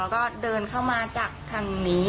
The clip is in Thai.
ก็ย่อเดินเข้ามาจากทางนี้